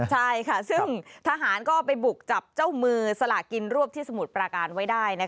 ใช่ค่ะซึ่งทหารก็ไปบุกจับเจ้ามือสลากินรวบที่สมุทรปราการไว้ได้